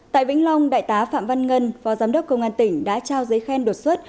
tại vĩnh long đại tá phạm văn ngân phó giám đốc công an tỉnh đã trao giấy khen đột xuất